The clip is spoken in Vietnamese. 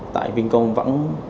tại vinh công vẫn